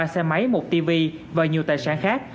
ba xe máy một tv và nhiều tài sản khác